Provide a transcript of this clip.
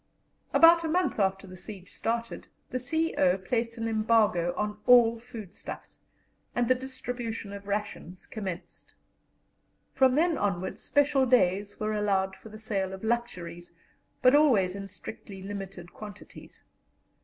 About a month after the siege started, the C.O. placed an embargo on all food stuffs, and the distribution of rations commenced. From then onward special days were allowed for the sale of luxuries, but always in strictly limited quantities.